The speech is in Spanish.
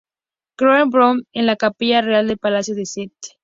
Claire Booth en la capilla real de palacio de St.